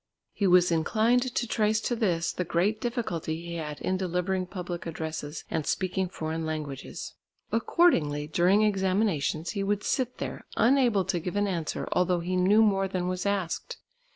He was inclined to trace to this the great difficulty he had in delivering public addresses and speaking foreign languages. Accordingly, during examinations, he would sit there, unable to give an answer although he knew more than was asked.